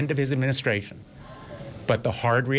แต่สิ่งที่ยากที่ยากก็คือ